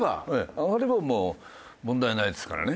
上がればもう問題ないですからね。